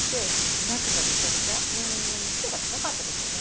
湿度が高かったですよね。